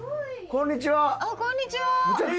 こんにちは。